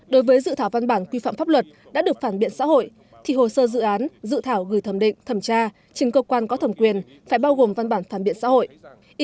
đối với dự thảo văn bản quy phạm pháp luật đã được phản biện xã hội thì hồ sơ dự án dự thảo gửi thẩm định thẩm tra trình cơ quan có thẩm quyền phải bao gồm văn bản phản biện xã hội